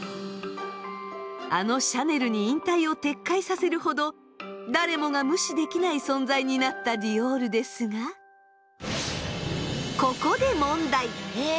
あのシャネルに引退を撤回させるほど誰もが無視できない存在になったディオールですがここで問題！